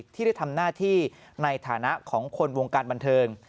ที่ได้ทำหน้าที่ในฐานะของคนวงการบันเทิง